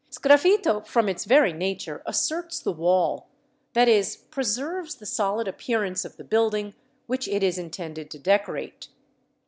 Sgraffito from its very nature "asserts the wall"; that is, preserves the solid appearance of the building which it is intended to decorate.